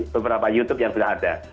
beberapa youtube yang sudah ada